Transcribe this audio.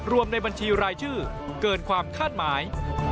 ในบัญชีรายชื่อเกินความคาดหมาย